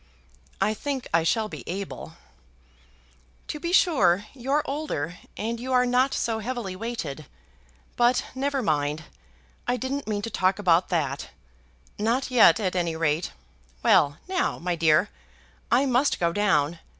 "I think I shall be able." "To be sure you're older, and you are not so heavily weighted. But never mind; I didn't mean to talk about that; not yet at any rate. Well, now, my dear, I must go down.